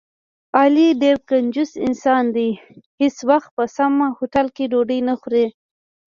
علي ډېر کنجوس انسان دی، هېڅ وخت په سم هوټل کې ډوډۍ نه خوري.